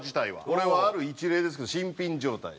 これはある一例ですけど新品状態。